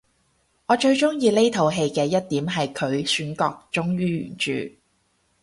我最鍾意呢套戲嘅一點係佢選角忠於原著